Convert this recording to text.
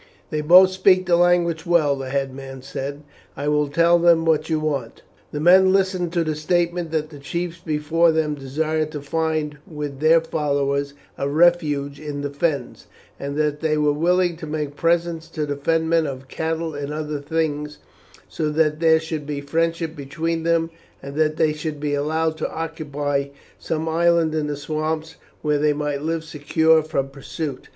"They both speak the language well," the headman said, "I will tell them what you want." The men listened to the statement that the chiefs before them desired to find with their followers a refuge in the Fens, and that they were willing to make presents to the Fenmen of cattle and other things, so that there should be friendship between them, and that they should be allowed to occupy some island in the swamps where they might live secure from pursuit.